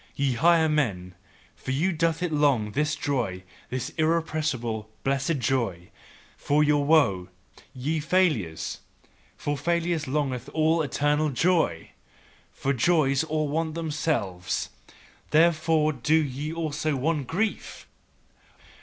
Ye higher men, for you doth it long, this joy, this irrepressible, blessed joy for your woe, ye failures! For failures, longeth all eternal joy. For joys all want themselves, therefore do they also want grief!